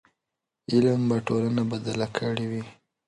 علم به ټولنه بدله کړې وي.